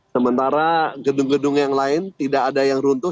sementara gedung gedung yang lain tidak ada yang runtuh